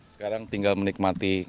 sekarang tinggal menikmati